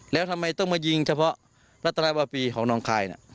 แล้วทำไมต้องมายิงเฉพาะรัตนาวาปีของน้องคาย